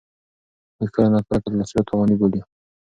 موږ کله ناکله کلسترول تاواني بولو.